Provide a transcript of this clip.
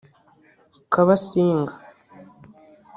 Kabasinga